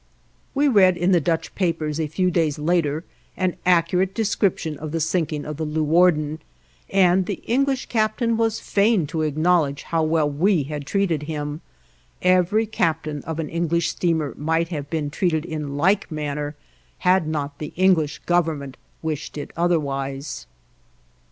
We read in the Dutch papers a few days later an accurate description of the sinking of the "Leuwarden," and the English captain was fain to acknowledge how well we had treated him; every captain of an English steamer might have been treated in like manner had not the English Government wished it otherwise.